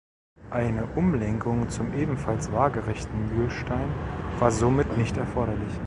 Eine Umlenkung zum ebenfalls waagerechten Mühlstein war somit nicht erforderlich.